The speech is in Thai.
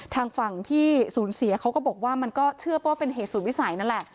ทางฝั่งที่สูญเสียเขาก็บอกว่ามันก็เชื่อว่าเป็นเหตุสูตรวิสัยนั่นแหละ